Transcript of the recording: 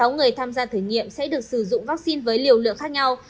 hai mươi sáu người tham gia thử nghiệm sẽ được sử dụng vaccine với liều lượng khác nhau